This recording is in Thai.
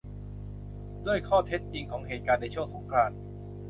ด้วยข้อเท็จจริงของเหตุการณ์ในช่วงสงกรานต์